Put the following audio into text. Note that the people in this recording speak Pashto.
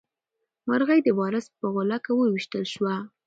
مرغۍ د وارث په غولکه وویشتل شوه.